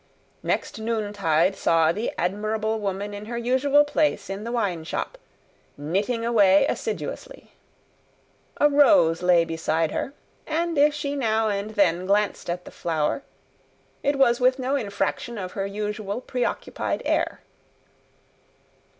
Next noontide saw the admirable woman in her usual place in the wine shop, knitting away assiduously. A rose lay beside her, and if she now and then glanced at the flower, it was with no infraction of her usual preoccupied air.